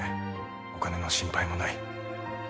お金の心配もない